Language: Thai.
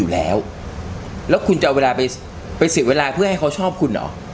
เพราะเขาอย่าชอบคุณแล้ว